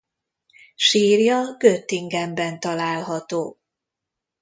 Sírja Göttingenben található.